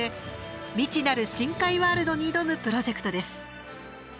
未知なる深海ワールドに挑むプロジェクトです。